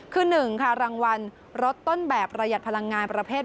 คือ๑ค่ะรางวัลลดต้นแบบประหยัดพลังงานประเภท